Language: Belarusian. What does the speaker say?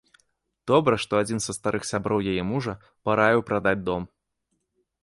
Добра, што адзін з старых сяброў яе мужа параіў прадаць дом.